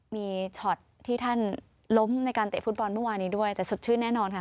มีช็อตที่ท่านล้มในการเตะฟุตบอลเมื่อวานี้ด้วยแต่สดชื่นแน่นอนค่ะ